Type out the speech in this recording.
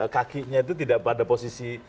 kakinya itu tidak pada posisi